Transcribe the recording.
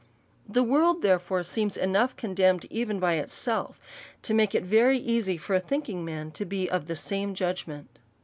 Tiie world, therefore, seems enough condemned even by itself, to make it very easy for a thinking man to be of the same judgment.